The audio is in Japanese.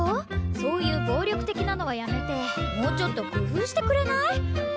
そういう暴力的なのはやめてもうちょっと工夫してくれない？